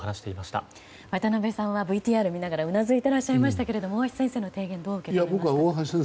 渡辺さんはＶＴＲ見ながら、うなずいていらっしゃいましたけれども大橋先生の提言どう受け止められましたか？